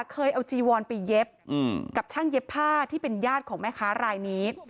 เคยเอาจีวอนไปเย็บกับช่างเย็บผ้าที่เป็นญาติของแม่ค้ารายนี้